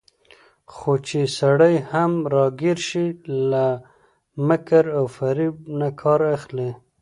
خو چې سړى هم راګېر شي، له مکر وفرېب نه کار اخلي